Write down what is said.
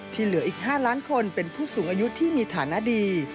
เหลืออีก๕ล้านคนเป็นผู้สูงอายุที่มีฐานะดี